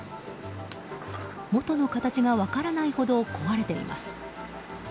元の形が分からないほど壊れています。